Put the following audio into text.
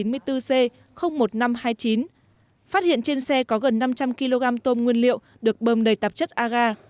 phát hiện trên xe có gần năm trăm linh kg tôm nguyên liệu được bơm đầy tạp chất agar